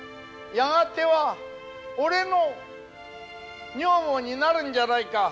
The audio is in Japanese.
やがては俺の女房になるんじゃないか。